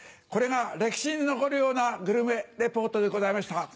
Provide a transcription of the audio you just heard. これが歴史に残るようなグルメリポートでございました。